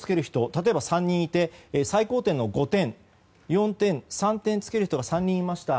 例えば３人いて最高点の５点４点、３点つける人が３人いました。